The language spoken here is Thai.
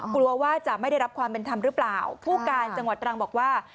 กลัวว่าจะไม่ได้รับความเป็นธรรมหรือเปล่าผู้การจังหวัดตรังบอกว่า